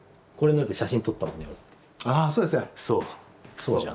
そうじゃん。